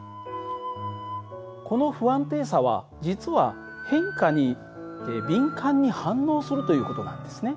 この不安定さは実は変化に敏感に反応するという事なんですね。